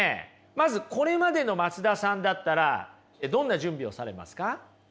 まずこれまでの松田さんだったらどんな準備をされますか？